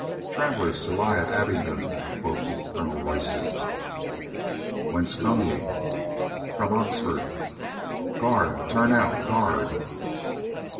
"Travelers to lie at Abingdon," quoth Colonel Royston. "Whence come ye?" "From Oxford." "Guard! Turn out, guard!"